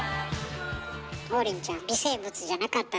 王林ちゃん微生物じゃなかったです。